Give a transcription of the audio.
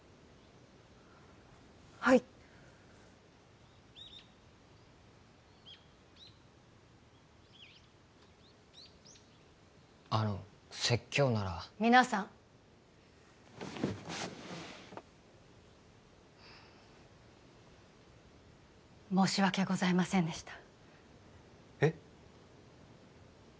はいあの説教なら皆さん申し訳ございませんでしたえっ？